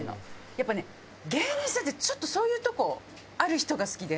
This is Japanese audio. やっぱね芸人さんってちょっとそういうとこある人が好きで。